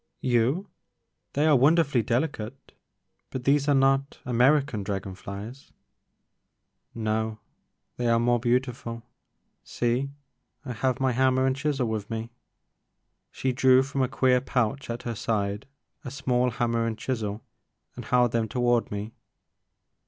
You! They are wonderfully delicate, — but those are not American dragon flies —*'No — they are more beautiful. See, I have my hammer and chisel with me." She drew from a queer pouch at her side a small hammer and chisel and held them toward me.